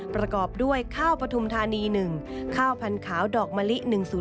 ประกอบด้วยข้าวปฐุมธานี๑ข้าวพันธุ์ดอกมะลิ๑๐